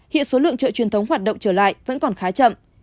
hiện số lượng chợ truyền thống hoạt động trở lại vẫn còn khá chậm